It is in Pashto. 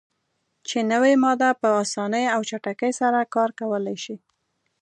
چې نوی ماده "په اسانۍ او چټکۍ سره کار کولای شي.